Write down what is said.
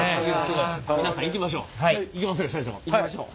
皆さんいきましょう。